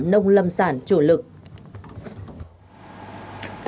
nông lâm sản chủ lực